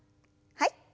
はい。